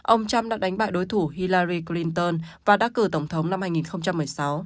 ông trump đã đánh bại đối thủ hillari clinton và đắc cử tổng thống năm hai nghìn một mươi sáu